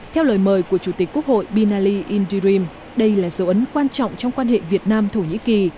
theo lời mời của chủ tịch quốc hội binali indirim đây là dấu ấn quan trọng trong quan hệ việt nam thổ nhĩ kỳ